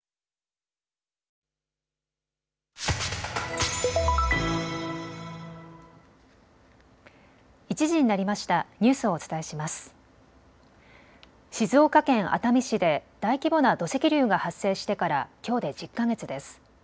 静岡県熱海市で大規模な土石流が発生してからきょうで１０か月です。